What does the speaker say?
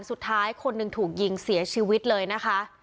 สุดท้ายคนหนึ่งถูกยิงเสียชีวิตเลยนะคะ